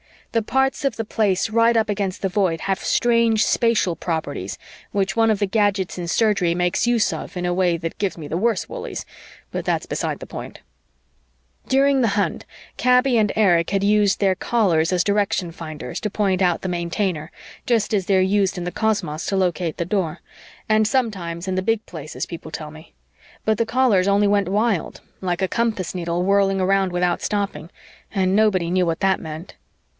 The parts of the Place right up against the Void have strange spatial properties which one of the gadgets in Surgery makes use of in a way that gives me the worse woolies, but that's beside the point. During the hunt, Kaby and Erich had used their Callers as direction finders to point out the Maintainer, just as they're used in the cosmos to locate the Door and sometimes in the Big Places, people tell me. But the Callers only went wild like a compass needle whirling around without stopping and nobody knew what that meant.